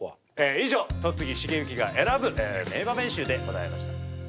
以上戸次重幸が選ぶ名場面集でございました。